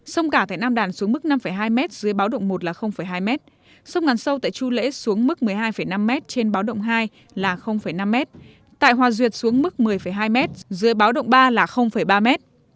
sông cả thẻ nam đàn xuống mức năm hai m dưới báo động một là hai m sông ngàn sâu tại chu lễ xuống mức một mươi hai năm m trên báo động hai là năm m tại hòa duyệt xuống mức một mươi hai m dưới báo động ba là ba m